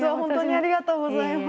ありがとうございます。